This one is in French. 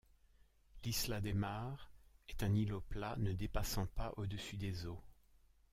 L'isla de Mar est un îlot plat, ne dépassant pas au-dessus des eaux.